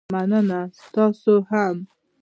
مننه، تاسو هم